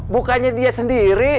bukannya dia sendiri